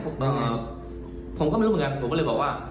ผมก็ไม่รู้เหมือนกันผมก็เลยบอกว่า